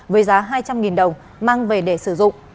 với giá hai trăm linh đồng mang về để sử dụng